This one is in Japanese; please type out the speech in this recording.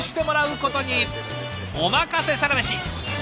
「おまかせサラメシ」。